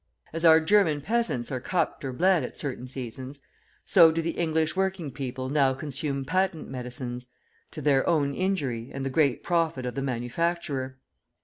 As our German peasants are cupped or bled at certain seasons, so do the English working people now consume patent medicines to their own injury and the great profit of the manufacturer.